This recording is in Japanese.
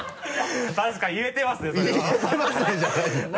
確かに言えてますね